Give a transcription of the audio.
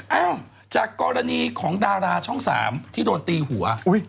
เอ้าจากกรณีของดาราช่อง๓ที่โดนตีหัว